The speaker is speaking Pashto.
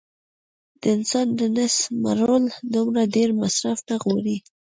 د انسان د نس مړول دومره ډېر مصرف نه غواړي